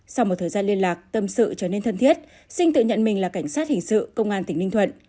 sau một thời gian liên lạc tâm sự trở nên thân thiết sinh tự nhận mình là cảnh sát hình sự công an tỉnh ninh thuận